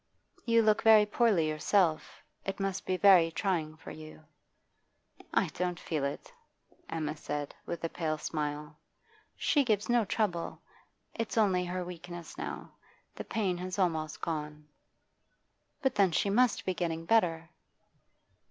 'You look very poorly yourself. It must be very trying for you.' 'I don't feel it,' Emma said, with a pale smile. 'She gives no trouble. It's only her weakness now; the pain has almost gone.' 'But then she must be getting better.